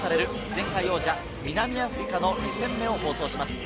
前回王者・南アフリカの２戦目を放送します。